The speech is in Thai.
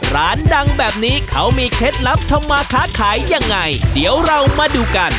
ร้านดังแบบนี้เขามีเคล็ดลับทำมาค้าขายยังไงเดี๋ยวเรามาดูกัน